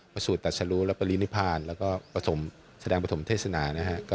ประสูจน์ตัสรุและปริณิพรแล้วก็แสดงประสงค์เทศนา